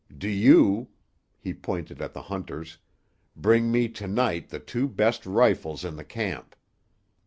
Do you—" he pointed at the hunters—"bring me to night the two best rifles in the camp.